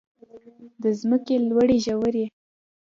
د ځمکې لوړې ژورې.